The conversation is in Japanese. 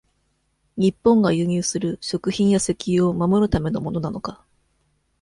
日本が輸入する、食品や石油を、守るためのものなのか。